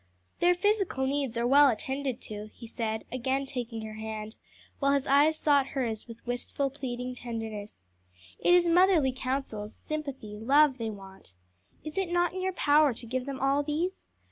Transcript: "Their physical needs are well attended to," he said, again taking her hand, while his eyes sought hers with wistful, pleading tenderness; "it is motherly counsels, sympathy, love they want. Is it not in your power to give them all these?